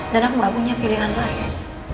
dan aku gak punya pilihan lain